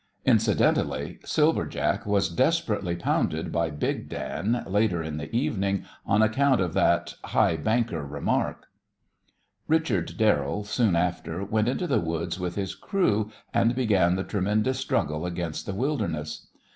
Incidentally Silver Jack was desperately pounded by Big Dan, later in the evening, on account of that "high banker" remark. Richard Darrell, soon after, went into the woods with his crew, and began the tremendous struggle against the wilderness.